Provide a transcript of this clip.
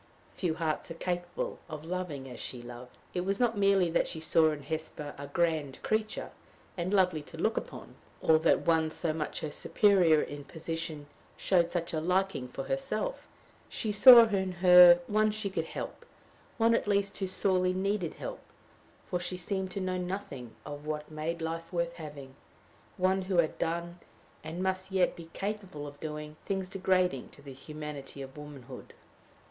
Few hearts are capable of loving as she loved. It was not merely that she saw in Hesper a grand creature, and lovely to look upon, or that one so much her superior in position showed such a liking for herself; she saw in her one she could help, one at least who sorely needed help, for she seemed to know nothing of what made life worth having one who had done, and must yet be capable of doing, things degrading to the humanity of womanhood.